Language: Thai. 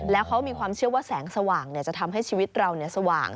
แล้วเขามีความเชื่อว่าแสงสว่างจะทำให้ชีวิตเราสว่าง